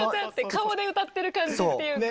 顔で歌ってる感じっていうか。